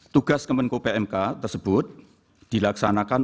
tugas kemenko pmk tersebut dilaksanakan